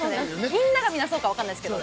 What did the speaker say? みんなが皆そうかは分からないですけど。